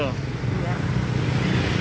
ini buat apa